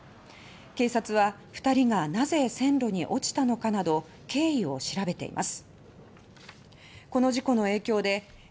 警察は２人がなぜ線路に落ちたのかなど経緯を調べています。